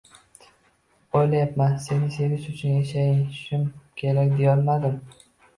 O’layapman seni sevish uchun yashashim kerak deyolmadim.